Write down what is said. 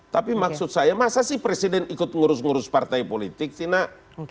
tapi maksud saya masa sih presiden ikut ngurus ngurus partai politik sih nak